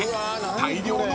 大量の］